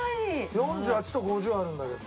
４８と５０あるんだけど。